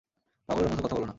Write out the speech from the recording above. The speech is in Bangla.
পাগলের মতো কথা বলো না।